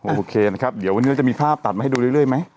โอเคนะครับเดี๋ยววันนี้เราจะมีภาพตัดมาให้ดูเรื่อยไหม